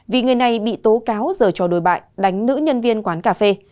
vì người này bị tố cáo dở cho đối bại đánh nữ nhân viên quán cà phê